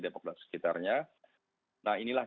dan sekitarnya nah inilah